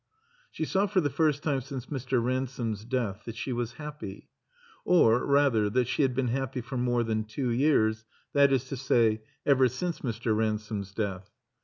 She saw, for the first time since Mr. Ransome's death, that she was happy; or rather, that she had been happy for more than two years, that is to say, ever since Mr. Ransome's death.